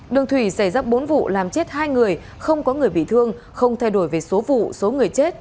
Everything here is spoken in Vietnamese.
đường thủy xảy ra bốn vụ làm chết hai người không có người bị thương không thay đổi về số vụ số người chết